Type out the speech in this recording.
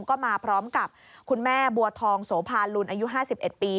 ก็มาพร้อมกับคุณแม่บัวทองโสภาลุนอายุ๕๑ปี